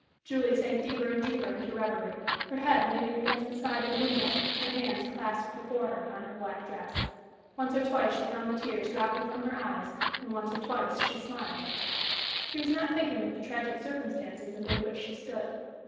Julie sank deeper and deeper into reverie, her head leaning against the side of the window, her hands clasped before her on her black dress. Once or twice she found the tears dropping from her eyes, and once or twice she smiled. She was not thinking of the tragic circumstances amid which she stood.